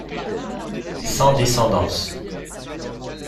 Sans descendance.